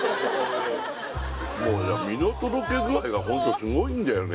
もう身のとろけ具合がホントすごいんだよね